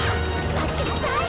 待ちなさい！